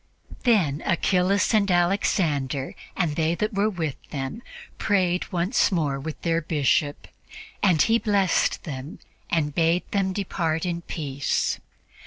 '" Then Achillas and Alexander, and they that were with them, prayed once more with their Bishop, and he blessed them and bade them depart in peace.